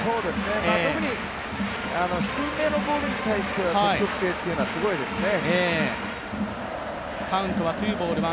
特に低めのボールに対しては積極性というのはすごいですね。